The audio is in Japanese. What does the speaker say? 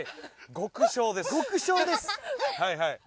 極小です。